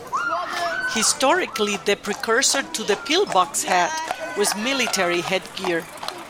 Historically, the precursor to the pillbox hat was military headgear.